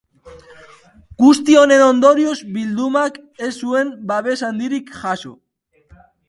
Guzti honen ondorioz bildumak ez zuen babes handirik jaso.